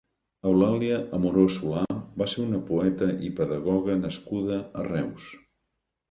Eulàlia Amorós Solà va ser una poeta i pedagoga nascuda a Reus.